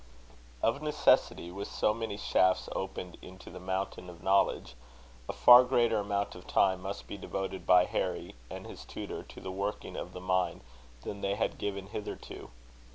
Of necessity, with so many shafts opened into the mountain of knowledge, a far greater amount of time must be devoted by Harry and his tutor to the working of the mine, than they had given hitherto.